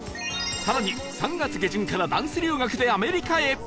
更に３月下旬からダンス留学でアメリカへ